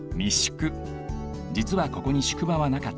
じつはここに宿場はなかった。